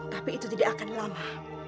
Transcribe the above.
tapi itu tidak akan lama